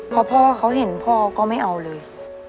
พอพ่อเขาเห็นพ่อก็ไม่เอาเลย